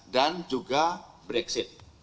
dan juga di indonesia